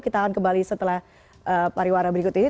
kita akan kembali setelah pariwara berikut ini